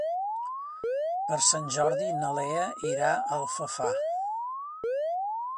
Per Sant Jordi na Lea irà a Alfafar.